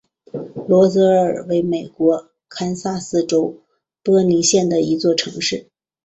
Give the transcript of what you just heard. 罗泽尔为美国堪萨斯州波尼县的一座城市。